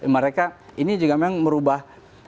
mereka ini juga memang merubah